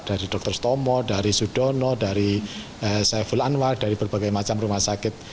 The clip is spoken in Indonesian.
dari dr stomo dari sudono dari saiful anwar dari berbagai macam rumah sakit